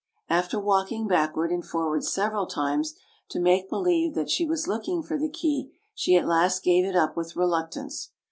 After walking backward and forward several times, to make believe that she was looking for the key, she at last gave it up with reluctance.